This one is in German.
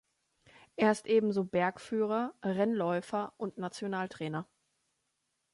Er ist ebenso Bergführer, Rennläufer und Nationaltrainer.